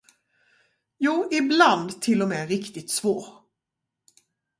Jo, ibland till och med riktigt svår.